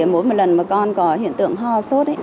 mỗi lần mà con có hiện tượng ho sốt